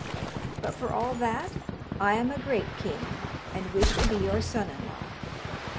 But for all that I am a great king, and wish to be your son in law.